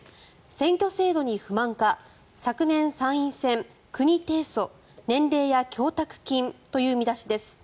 選挙制度に不満か昨年、参院選、国提訴年齢や供託金という見出しです。